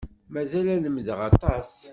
Mazal ad lemdeɣ aṭas.